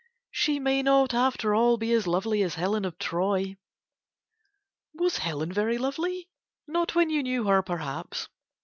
She may not after all be as lovely as Helen of Troy. Was Helen very lovely? Not when you knew her, perhaps.